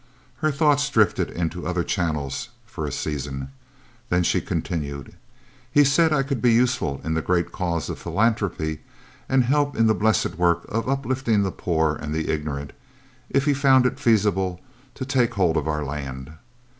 Her thoughts drifted into other channels, for a season. Then she continued: "He said I could be useful in the great cause of philanthropy, and help in the blessed work of uplifting the poor and the ignorant, if he found it feasible to take hold of our Land.